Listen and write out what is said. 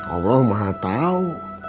allah mah tau